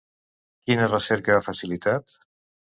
Quina recerca ha facilitat?